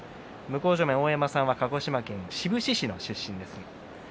大山さんは鹿児島県志布志市出身です。